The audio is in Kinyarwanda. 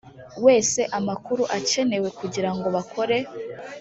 wese amakuru akenewe kugira ngo bakore